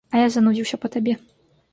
А я занудзіўся па табе.